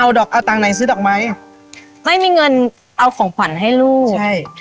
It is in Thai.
เอาดอกเอาตังค์ไหนซื้อดอกไม้ไม่มีเงินเอาของขวัญให้ลูกใช่